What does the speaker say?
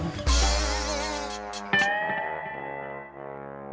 berarti kita harus kasian sama tatang